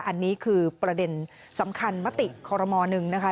อันนี้คือประเด็นสำคัญมติคอรมอหนึ่งนะคะ